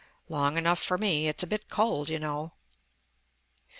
"Long enough for me. It's a bit cold, you know."